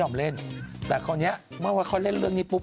ก็เขาบอกว่าตอนแรก